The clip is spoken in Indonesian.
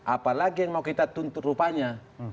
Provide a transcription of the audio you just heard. apa lagi yang mau kita tuntut rupanya